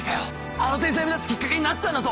あんな天才生み出すきっかけになったんだぞ！